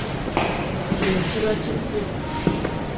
Kino kiba kiku.